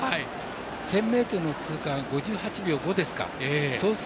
１０００ｍの通過が５８秒５ですか。